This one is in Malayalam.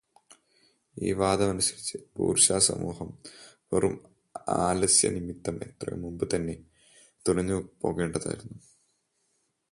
ഈ വാദമനുസരിച്ച് ബൂർഷ്വാ സമൂഹം വെറും ആലസ്യം നിമിത്തം എത്രയോ മുമ്പുതന്നെ തുലഞ്ഞുപോകേണ്ടതായരിന്നു.